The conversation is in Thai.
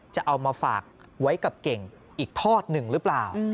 จะเอามาฝากไว้กับเก่งอีกทอดหนึ่งหรือเปล่า